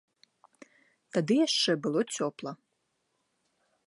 Тады яшчэ было цёпла.